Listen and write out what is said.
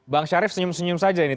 bang syarif senyum senyum saja ini